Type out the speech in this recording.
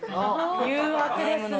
誘惑ですね。